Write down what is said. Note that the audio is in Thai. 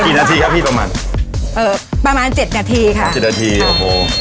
นาทีครับพี่ประมาณเอ่อประมาณเจ็ดนาทีค่ะเจ็ดนาทีโอ้โห